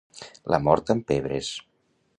La mort amb pebres.